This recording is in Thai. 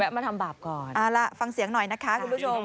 เอาล่ะฟังเสียงหน่อยนะคะทุกทุกชม